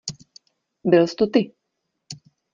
Byls to ty!